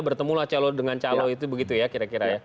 bertemulah dengan calon itu begitu ya kira kira ya